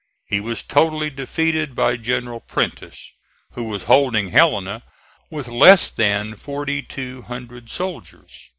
He was totally defeated by General Prentiss, who was holding Helena with less than forty two hundred soldiers.